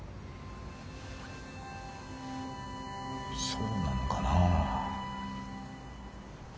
そうなのかな。